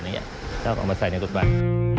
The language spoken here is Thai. แล้วเอามาใส่ในรถบัตร